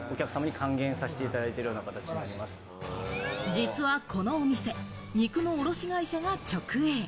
実はこのお店、肉の卸会社が直営。